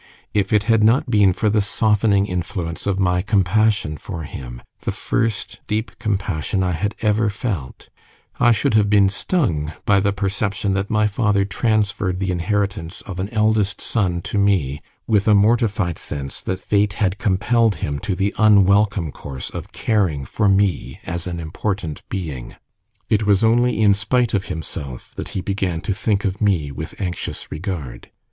If it had not been for the softening influence of my compassion for him the first deep compassion I had ever felt I should have been stung by the perception that my father transferred the inheritance of an eldest son to me with a mortified sense that fate had compelled him to the unwelcome course of caring for me as an important being. It was only in spite of himself that he began to think of me with anxious regard.